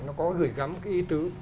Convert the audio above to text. nó có gửi gắm cái ý tứ